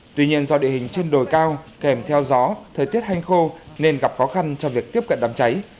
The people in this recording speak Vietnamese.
tuy nhiên do địa hình trên đồi cao kèm theo gió thời tiết hanh khô nên gặp khó khăn cho việc tiếp cận đám cháy